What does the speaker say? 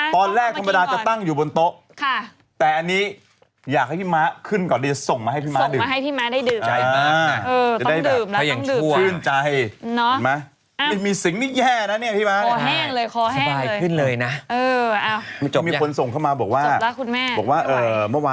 เขาถูกล่าไปเรียบร้อยแล้วดูนะ